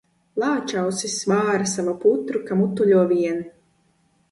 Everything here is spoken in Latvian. Lāčausis vāra savu putru, ka mutuļo vien.